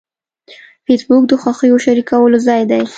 فېسبوک د خوښیو شریکولو ځای دی